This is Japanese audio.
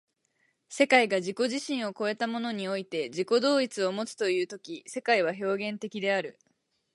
世界が自己自身を越えたものにおいて自己同一をもつという時世界は表現的である。